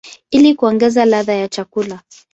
ili kuongeza ladha ya chakula.